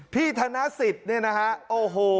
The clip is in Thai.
พี่ธนสิตเนี่ยนะฮะโอ้โห